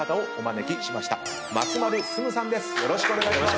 よろしくお願いします。